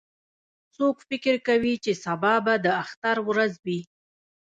څوک فکر کوي چې سبا به د اختر ورځ وي